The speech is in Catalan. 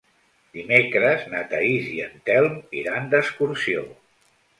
Dimecres na Thaís i en Telm iran d'excursió.